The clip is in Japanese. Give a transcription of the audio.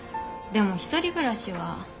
でも１人暮らしは。